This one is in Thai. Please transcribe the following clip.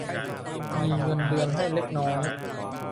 มีเงินเดือนให้เล็กน้อย